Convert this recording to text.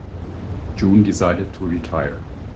June decided to retire.